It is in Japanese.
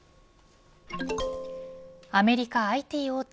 アメリカＩＴ大手